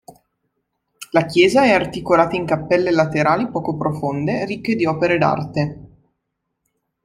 La chiesa è articolata in cappelle laterali poco profonde, ricche di opere d'arte.